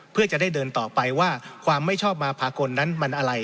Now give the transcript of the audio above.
เพื่อจะได้เดินต่อไปว่าความไม่ชอบมาพากลนั้นมันอะไร